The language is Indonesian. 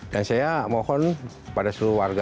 dan saya mohon pada seluruh warga